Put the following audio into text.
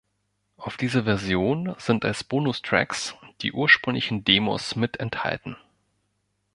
Auf dieser Version sind als Bonus-Tracks die ursprünglichen Demos mit enthalten.